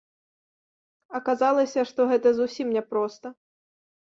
Аказалася, што гэта зусім не проста.